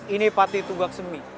ini patih tugak semih